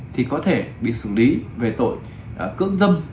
thì có thể bị xử lý về tội cưỡng dâm